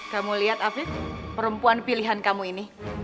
kamu lihat afif perempuan pilihan kamu ini